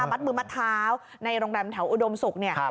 มัดมือมัดเท้าในโรงแรมแถวอุดมศุกร์เนี่ย